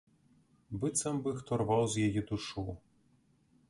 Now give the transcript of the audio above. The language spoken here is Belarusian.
Быццам бы хто рваў з яе душу.